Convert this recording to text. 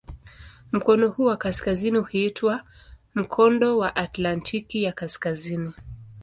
Mkono huu wa kaskazini huitwa "Mkondo wa Atlantiki ya Kaskazini".